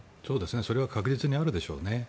それは確実にあるでしょうね。